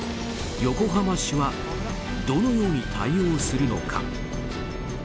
横浜市はどのように対応するのか。